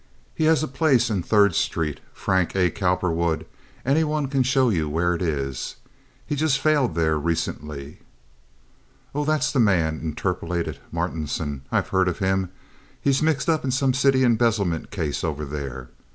"He has a place in Third Street—Frank A. Cowperwood—any one can show you where it is. He's just failed there recently." "Oh, that's the man," interpolated Martinson. "I've heard of him. He's mixed up in some city embezzlement case over there.